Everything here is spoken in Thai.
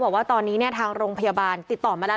บอกว่าตอนนี้เนี่ยทางโรงพยาบาลติดต่อมาแล้ว